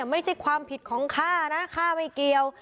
ไม่ใช่ความผิดของข้านะข้าไม่เกี่ยว